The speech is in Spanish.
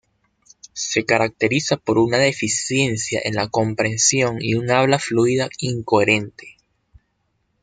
Se caracteriza por una deficiencia en la comprensión y un habla fluida incoherente.